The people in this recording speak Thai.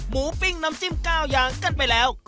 หมูปิ้งน้ำจิ้มเก้าอย่างกันไปแล้ว